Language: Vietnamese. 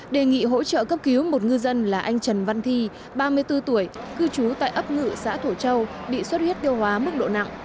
đề nghị hỗ trợ cấp cứu một ngư dân là anh trần văn thi ba mươi bốn tuổi cư trú tại ấp ngự xã thổ châu bị xuất huyết tiêu hóa mức độ nặng